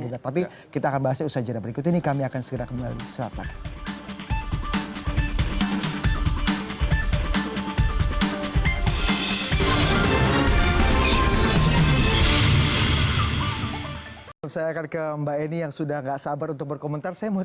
maksudnya mereka harus mengerti